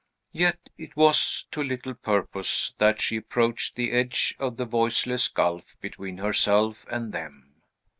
Yet it was to little purpose that she approached the edge of the voiceless gulf between herself and them.